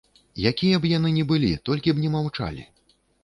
Якія б яны не былі, толькі б не маўчалі.